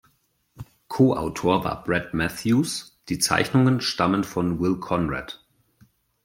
Co-Autor war Brett Mathews, die Zeichnungen stammen von Will Conrad.